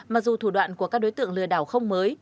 mặc dù thủ đoạn của các đối tượng lừa đảo không mới